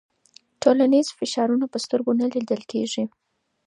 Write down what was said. ټولنیز فشارونه په سترګو نه لیدل کېږي.